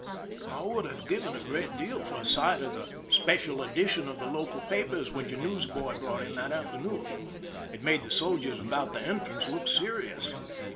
I would have given a great deal for a sight of the special edition of the local papers which a newsboy brought in that afternoon. It made the soldiers about the entrance look serious.